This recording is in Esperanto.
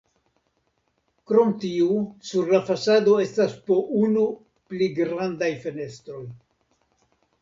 Krom tiu sur la fasado estas po unu pli grandaj fenestroj.